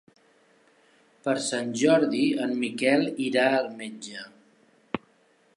Per Sant Jordi en Miquel irà al metge.